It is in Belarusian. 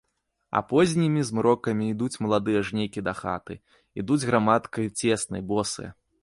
А познімі змрокамі ідуць маладыя жнейкі дахаты, ідуць грамадкай цеснай, босыя.